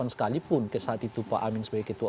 sekalipun saat itu pak amin sebagai ketua